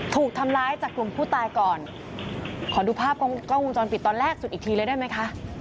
ถูกทำร้ายจากกลุ่มผู้ตายก่อนขอดูภาพกล้องวงจรปิดตอนแรกสุดอีกทีเลยได้ไหมคะ